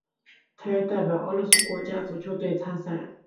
他也代表白俄罗斯国家足球队参赛。